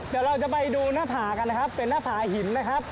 เดี๋ยวเราจะไปดูหน้าผากันนะครับเป็นหน้าผาหินนะครับ